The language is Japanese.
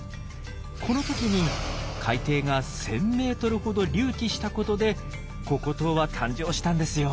この時に海底が１，０００ｍほど隆起したことでココ島は誕生したんですよ。